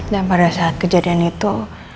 dan pada saat kejadian itu